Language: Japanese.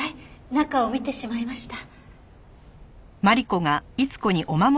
中を見てしまいました。